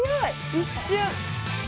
一瞬！